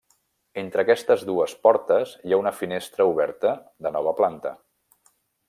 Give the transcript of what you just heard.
Entre aquestes dues portes hi ha una finestra oberta de nova planta.